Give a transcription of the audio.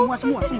semua semua semua